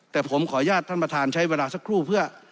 แต่ผมขออนุญาตท่านประธานใช้เวลาสักครู่เพื่อ